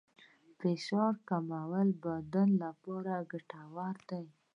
فشار کمول د بدن لپاره ګټور دي.